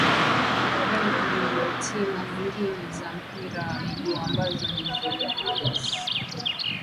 Baadae kuliundwa timu nyengine za mpira wa miguu ambazo ni Vuga Boys